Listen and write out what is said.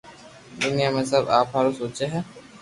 دنيا ۾ سب آپ ھارون سوچي ھي